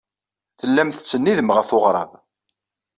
Tellam tettsennidem ɣer weɣrab.